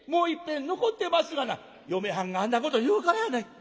「嫁はんがあんなこと言うからやない」。